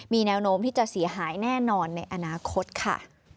มีแนวโน้มที่จะเสียหายแน่นอนในอนาคตค่ะ